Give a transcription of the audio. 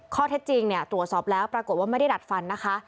ข้อเท็จจริงเนี่ยตรวจสอบแล้วปรากฏว่าไม่ได้ดัดฟันนะคะ